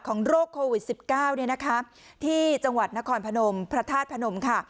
ของโรคโควิดสิบเก้าเนี่ยนะคะที่จังหวัดนครพนมพระธาตุพนมค่ะ